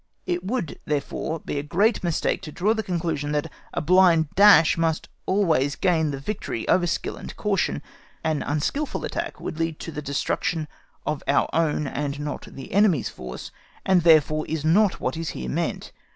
It would, therefore, be a great mistake to draw the conclusion that a blind dash must always gain the victory over skill and caution. An unskilful attack would lead to the destruction of our own and not of the enemy's force, and therefore is not what is here meant.